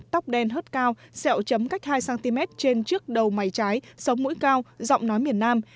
tóc đen hớt cao xẹo chấm cách hai cm trên trước đầu mái trái sống mũi cao giọng nói miền nam